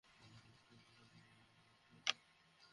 কিন্তু অন্তরে তো হিন্দুস্তানিই, বাইঞ্চোদ।